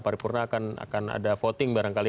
paripurna akan ada voting barangkali